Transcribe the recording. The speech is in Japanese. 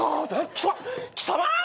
貴様貴様！